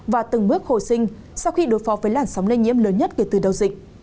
và từng bước hồi sinh sau khi đối phó với làn sóng lây nhiễm lớn nhất kể từ đầu dịch